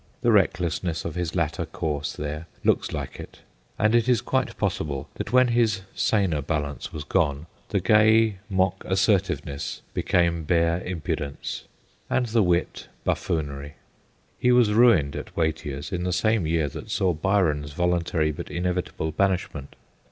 The reck lessness of his latter course there looks like it, and it is quite possible that when his saner balance was gone the gay mock assertiveness became bare impudence, and 48 THE GHOSTS OF PICCADILLY i the wit buffoonery. He was ruined at Watier's, in the same year that saw Byron's voluntary but inevitable banishment.